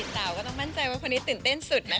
สาวก็ต้องมั่นใจว่าคนนี้ตื่นเต้นสุดไหม